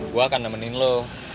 gue akan nemenin lo